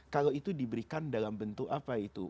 kalau itu diberikan dalam bentuk apa itu